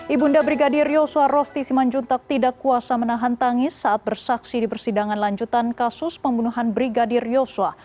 ibunda brigadir yosua rosti simanjuntak tidak kuasa menahan tangis saat bersaksi di persidangan lanjutan kasus pembunuhan brigadir yosua